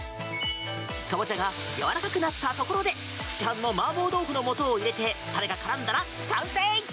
カボチャがやわらかくなったところで市販のマーボー豆腐のもとを入れて、タレが絡んだら完成！